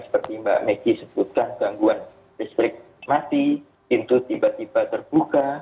seperti mbak megi sebutkan gangguan listrik mati pintu tiba tiba terbuka